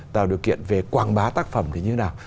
tạo điều kiện về quảng bá tác phẩm thì như thế nào